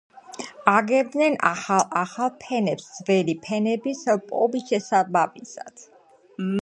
აგებდნენ ახალ-ახალ ფენებს ძველი ფენების ლპობის შესაბამისად.